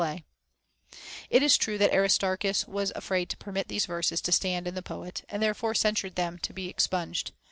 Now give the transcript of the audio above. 70 HOW A YOUNG MAN OUGHT It is true that Aristarchus was afraid to permit these verses to stand in the poet, and therefore censured them to be expunged.